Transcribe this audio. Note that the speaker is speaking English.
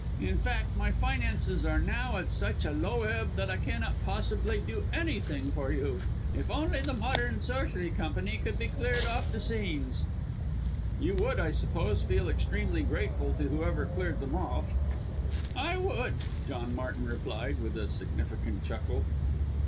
In fact, my finances are now at such a low ebb that I cannot possibly do anything for you. If only the Modern Sorcery Company could be cleared off the scenes." "You would, I suppose, feel extremely grateful to whoever cleared them off?" "I would," John Martin replied, with a significant chuckle.